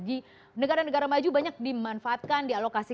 di negara negara maju banyak dimanfaatkan dialokasikan ke hal hal tersebut